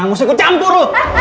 gak usah gue campur